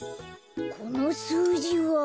このすうじは。